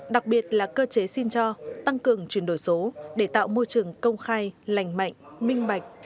đặc biệt là cơ chế xin cho tăng cường chuyển đổi số để tạo môi trường công khai lành mạnh minh bạch